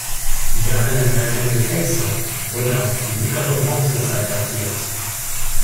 Die darin enthaltenen Gefäße wurden auf die mittlere Bronzezeit datiert.